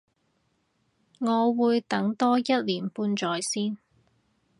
我會等多一年半載先